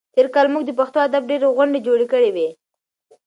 تېر کال موږ د پښتو ادب ډېرې غونډې جوړې کړې وې.